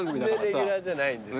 レギュラーじゃないんです。